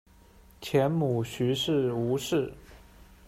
前母徐氏；吴氏。